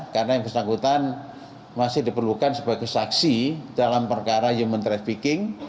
karena yang bersangkutan masih diperlukan sebagai kesaksi dalam perkara human trafficking